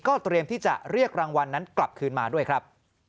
เตรียมที่จะเรียกรางวัลนั้นกลับคืนมาด้วยครับ